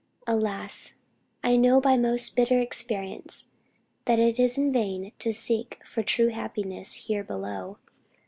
Alas, I know by most bitter experience, that it is in vain to seek for true happiness here below.